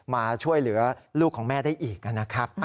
มาช่วยเหลือลูกของแม่ได้อีกนะครับ